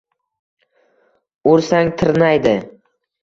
- Ursang tirnaydi;